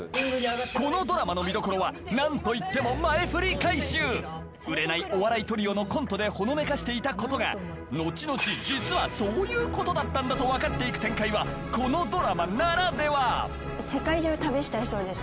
このドラマの見どころは何といっても前フリ回収売れないお笑いトリオのコントでほのめかしていたことが後々実はそういうことだったんだと分かって行く展開はこのドラマならでは世界中旅したいそうです。